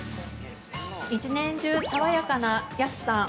◆１年中爽やかな安さん